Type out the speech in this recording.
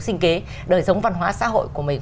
sinh kế đời sống văn hóa xã hội của mình